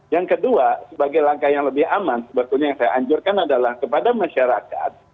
yang kedua sebagai langkah yang lebih aman sebetulnya yang saya anjurkan adalah kepada masyarakat